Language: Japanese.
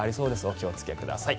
お気をつけください。